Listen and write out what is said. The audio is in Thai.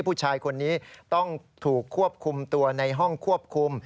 ผู้ชายคนนี้ต้องถูกควบคุมตัวในห้องควบคุม